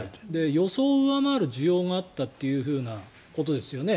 予想を上回る需要があったということですよね。